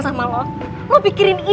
tidak ada yang bisa menguruskan diri gue